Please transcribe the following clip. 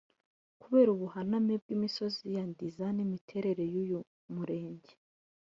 Kubera ubuhaname bw’imisozi ya Ndiza n’imiterere y’uyu murenge